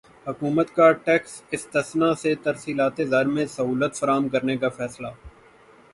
حکومت کا ٹیکس استثنی سے ترسیلات زر میں سہولت فراہم کرنے کا فیصلہ